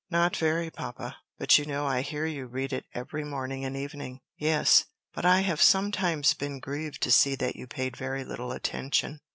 "Not very, papa. But you know I hear you read it every morning and evening." "Yes; but I have sometimes been grieved to see that you paid very little attention."